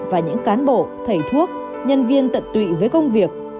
và những cán bộ thầy thuốc nhân viên tận tụy với công việc